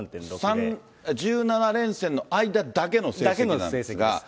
この１７連戦の間だけの成績なんですが。